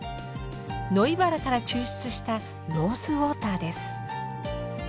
ノイバラから抽出したローズウォーターです。